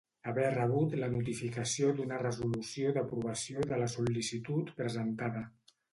Haver rebut la notificació d'una resolució d'aprovació de la sol·licitud presentada.